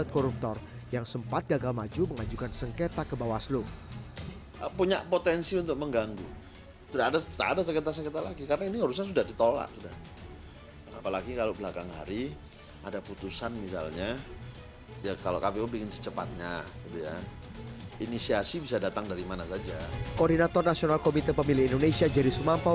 koordinator nasional komite pemilih indonesia jeri sumampau